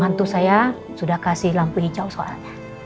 hantu saya sudah kasih lampu hijau soalnya